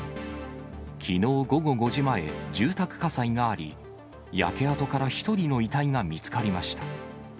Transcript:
きのう午後５時前、住宅火災があり、焼け跡から１人の遺体が見つかりました。